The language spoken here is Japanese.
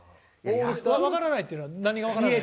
わからないというのは何がわからない？